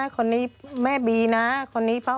ควิทยาลัยเชียร์สวัสดีครับ